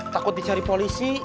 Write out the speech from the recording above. takut dicari polisi